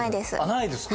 ないですか？